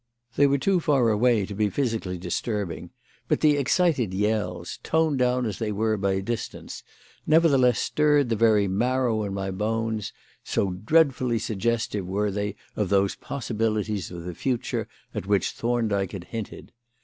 They were too far away to be physically disturbing, but the excited yells, toned down as they were by distance, nevertheless stirred the very marrow in my bones, so dreadfully suggestive were they of those possibilities of the future at which Thorndyke had hinted.